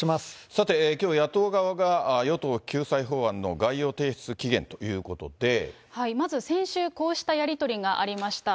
さて、きょう野党側が与党救済法案の概要提出期限ということまず、先週、こうしたやり取りがありました。